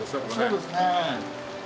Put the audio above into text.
そうですね。